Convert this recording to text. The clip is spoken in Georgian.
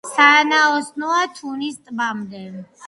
სანაოსნოა თუნის ტბამდე.